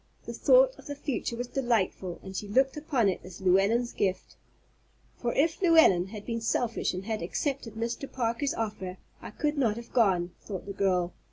The thought of the future was delightful, and she looked upon it as Llewellyn's gift. "For if Llewellyn had been selfish and had accepted Mr. Parker's offer, I could not have gone," thought the girl.